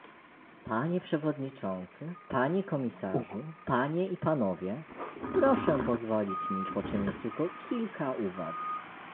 Panie przewodniczący, panie komisarzu, panie i panowie, proszę pozwolić mi poczynić tylko kilka uwag